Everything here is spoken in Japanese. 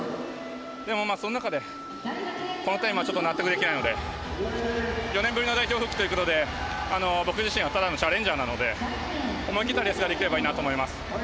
でも、その中でこのタイムはちょっと納得できないので４年ぶりの代表復帰ということで僕自身はただのチャレンジャーなので思い切ったレースができればいいなと思います。